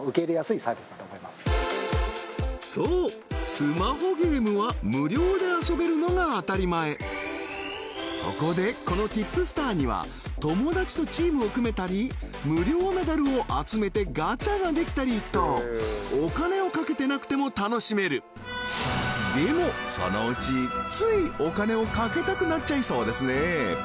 スマホゲームは無料で遊べるのが当たり前そこでこのティップスターには友達とチームを組めたり無料メダルを集めてガチャができたりとお金を賭けてなくても楽しめるでもそのうちついお金を賭けたくなっちゃいそうですね